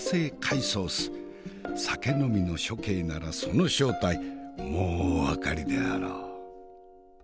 酒呑みの諸兄ならその正体もうお分かりであろう。